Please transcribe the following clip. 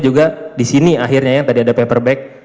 juga disini akhirnya yang tadi ada paperback